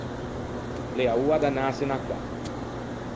L’ea oa d’anâsene à cà.